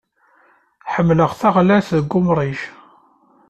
Ḥemmleɣ taɣlalt deg umrij.